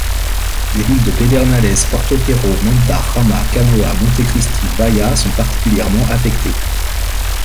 Les villes de Pedernales, Portoviejo, Manta, Jama, Canoa, Montecristi, Bahía sont particulièrement affectées.